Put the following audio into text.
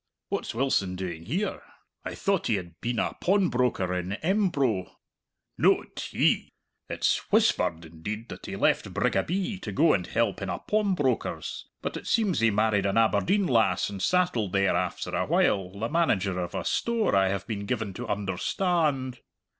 What's Wilson doing here? I thought he had been a pawnbroker in Embro." "Noat he! It's whispered indeed, that he left Brigabee to go and help in a pawmbroker's, but it seems he married an Aberdeen lass and sattled there after a while, the manager of a store, I have been given to understa and.